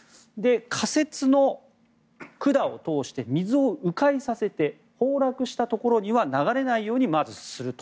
仮設の管を通して水を迂回させて崩落したところには流れないように、まずすると。